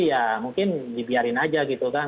ya mungkin dibiarin aja gitu kan